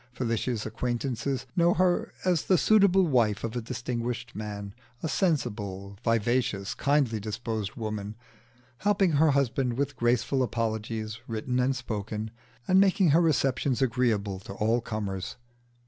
Felicia's acquaintances know her as the suitable wife of a distinguished man, a sensible, vivacious, kindly disposed woman, helping her husband with graceful apologies written and spoken, and making her receptions agreeable to all comers.